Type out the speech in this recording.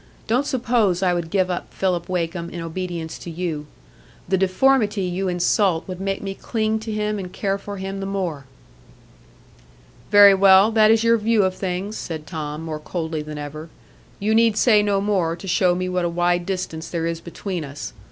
Don't suppose I would give up Philip Wakem in obedience to you. The deformity you insult would make me cling to him and care for him the more." "Very well; that is your view of things." said Tom, more coldly than ever; "you need say no more to show me what a wide distance there is between us.